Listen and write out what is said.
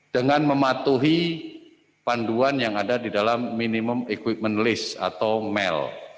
dengan mematuhi panduan yang ada di dalam minimum equipment list atau mel